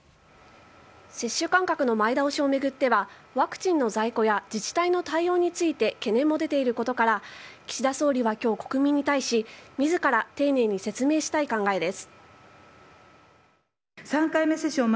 接種間隔の前倒しを巡ってはワクチンの在庫や自治体の対応について懸念も出ていることから岸田総理は今日、国民に対し自ら丁寧に説明したい考えです。